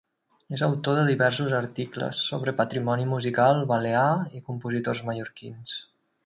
És autor de diversos articles sobre patrimoni musical balear i compositors mallorquins.